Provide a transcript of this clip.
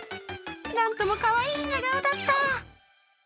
なんともかわいい寝顔だった。